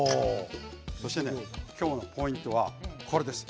そして今日のポイントはこれです。